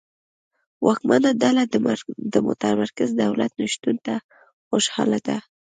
واکمنه ډله د متمرکز دولت نشتون ته خوشاله ده.